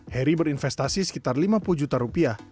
heri berinvestasi sekitar lima puluh juta rupiah